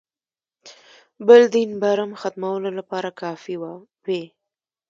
بل دین برم ختمولو لپاره کافي وي.